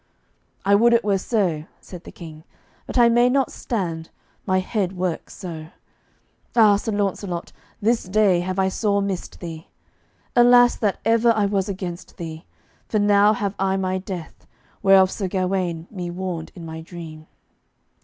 "I would it were so," said the King, "but I may not stand, my head works so. Ah, Sir Launcelot, this day have I sore missed thee. Alas, that ever I was against thee, for now have I my death, whereof Sir Gawaine me warned in my dream."